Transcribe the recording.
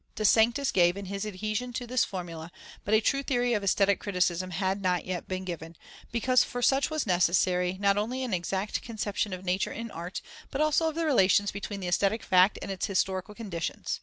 De Sanctis gave in his adhesion to this formula, but a true theory of aesthetic criticism had not yet been given, because for such was necessary, not only an exact conception of nature in art, but also of the relations between the aesthetic fact and its historical conditions.